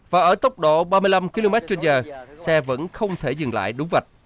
và ở tốc độ ba mươi năm km trên giờ xe vẫn không thể dừng lại đúng vạch